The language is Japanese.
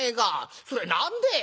それ何でえ